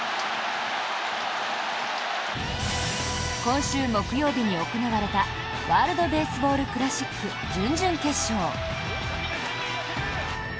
今週木曜日に行われたワールド・ベースボール・クラシック準々決勝。